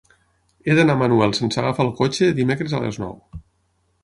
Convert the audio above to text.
He d'anar a Manuel sense agafar el cotxe dimecres a les nou.